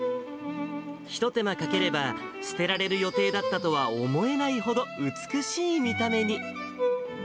一手間かければ、捨てられる予定だったとは思えないほど美しい見た目に。